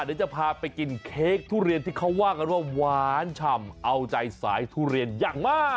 เดี๋ยวจะพาไปกินเค้กทุเรียนที่เขาว่ากันว่าหวานฉ่ำเอาใจสายทุเรียนอย่างมาก